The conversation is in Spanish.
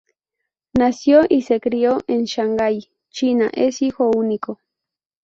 Nació y se crió en Shanghai, China, es hijo único.